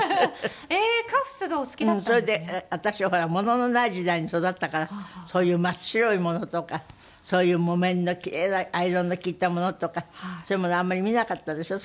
それで私ほら物のない時代に育ったからそういう真っ白いものとかそういう木綿の奇麗なアイロンの利いたものとかそういうものをあんまり見なかったでしょ。